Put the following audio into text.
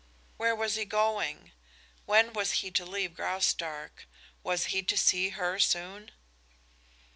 Where was he going? When was he to leave Graustark? Was he to see her soon?